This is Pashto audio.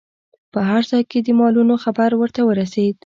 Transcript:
په هر ځای کې د مالونو خبر ورته ورسید.